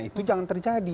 itu jangan terjadi